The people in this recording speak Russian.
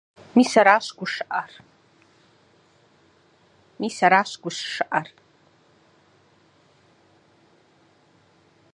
Вот в чем штука-то.